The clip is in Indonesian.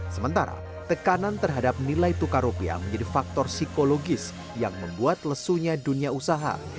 sementara tekanan terhadap nilai tukar rupiah menjadi faktor psikologis yang membuat lesunya dunia usaha